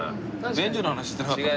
便所の話してなかったっけ？